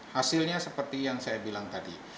hasilnya seperti yang saya bilang tadi